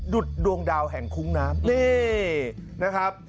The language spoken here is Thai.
ดวงดาวแห่งคุ้งน้ำนี่นะครับ